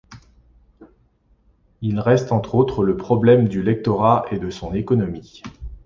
Il reste entre autres le problème du lectorat et de son économie.